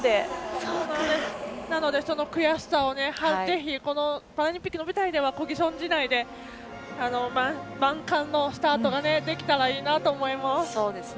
なのでその悔しさをぜひ、パラリンピックの舞台ではこぎ損じないで万感のスタートができたらいいなと思います。